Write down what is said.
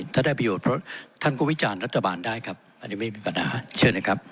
ถ้าได้ประโยชน์เพราะท่านก็วิจารณ์รัฐบาลได้ครับอันนี้ไม่มีปัญหาเชิญนะครับ